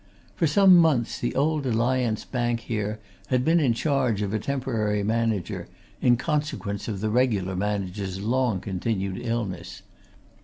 For some months the Old Alliance Bank here had been in charge of a temporary manager, in consequence of the regular manager's long continued illness.